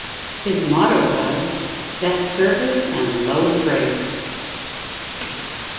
His motto was "best service and lowest rates".